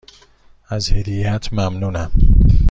از هدیهات ممنونم.